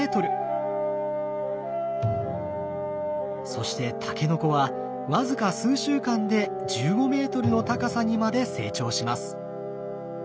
そしてタケノコは僅か数週間で１５メートルの高さにまで成長します。